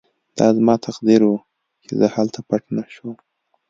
دا زما تقدیر و چې زه هلته پټ نه شوم